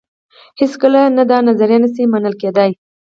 هېڅکله نه دا نظریه نه شي منل کېدای.